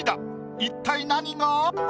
一体何が？